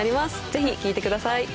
ぜひ聴いてください。